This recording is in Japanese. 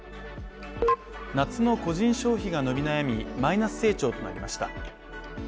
夏の個人消費が伸び悩みマイナス成長となりました。